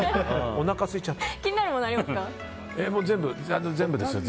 おなかすいちゃった。